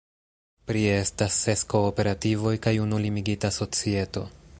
Prie estas ses kooperativoj kaj unu limigita societo.